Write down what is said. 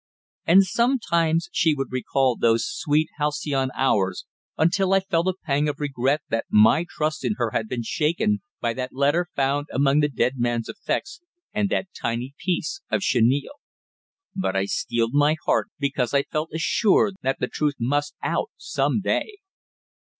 And sometimes she would recall those sweet halcyon hours, until I felt a pang of regret that my trust in her had been shaken by that letter found among the dead man's effects and that tiny piece of chenille. But I steeled my heart, because I felt assured that the truth must out some day.